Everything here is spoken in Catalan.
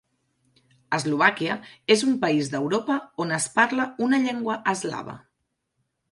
Eslovàquia és un país d'Europa on es parla una llengua eslava.